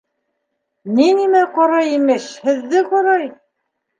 — Ни нәмә ҡарай, имеш, һеҙҙе ҡарай.